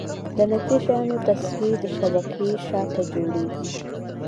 د نږدې شیانو تصویر د شبکیې شاته جوړېږي.